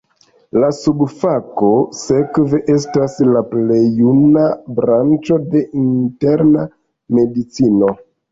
La subfako sekve estas la plej juna branĉo de interna medicino.